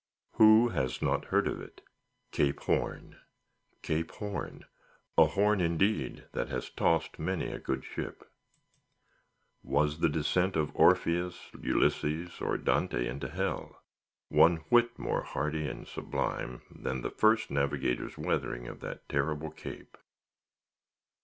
Who has not heard of it? Cape Horn, Cape Horn—a horn indeed, that has tossed many a good ship. Was the descent of Orpheus, Ulysses, or Dante into Hell, one whit more hardy and sublime than the first navigator's weathering of that terrible Cape.